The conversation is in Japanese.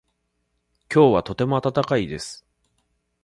今日はとても暖かいです。